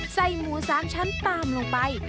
ใส่หมู๓ชั้นตามลงไป